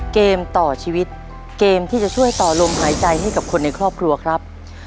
เกมต่อชีวิตเกมที่จะช่วยต่อลมหายใจให้กับคนในครอบครัวครับ